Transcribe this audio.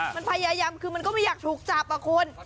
มันพยายามคือมันก็ไม่อยากถูกจับอ่ะคุณ